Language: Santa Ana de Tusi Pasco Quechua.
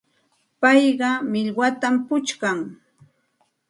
Payqa millwatam puchkan.